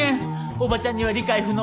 おばちゃんには理解不能。